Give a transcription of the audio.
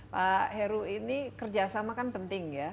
pak heru ini kerjasama kan penting ya